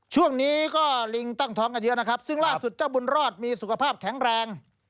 ช่วงนี้ก็ลิงตั้งท้องกันเยอะนะครับซึ่งล่าสุดเจ้าบุญรอดมีสุขภาพแข็งแรง